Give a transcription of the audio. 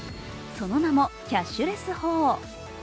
その名もキャッシュレス法。